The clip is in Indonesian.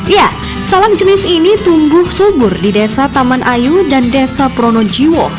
ya salam jenis ini tumbuh subur di desa taman ayu dan desa pronojiwo